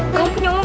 kamu nyamuk gak